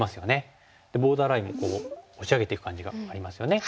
ボーダーラインを押し上げていく感じがありますよね。